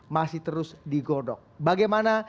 masih terus digodok bagaimana